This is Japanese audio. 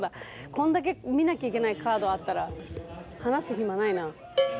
こんだけ見なきゃいけないカードあったら話す暇ないな。